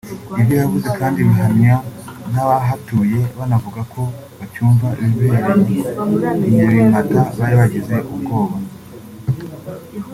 Ibyo yavuze kandi bihamywa n’abahatuye banavuga ko bacyumva ibyabereye i Nyabimata bari bagize ubwoba